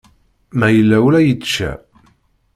Ma yella ula yečča.